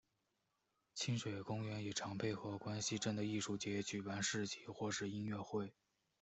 亲水公园也常配合关西镇的艺术节举办市集或是音乐会。